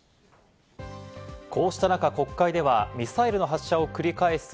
こうした中、国会ではミサイルの発射を繰り返す